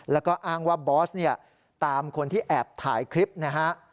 แล้วก็อ้างว่าบอสเนี่ยตามคนที่แอบถ่ายคลิปนะฮะ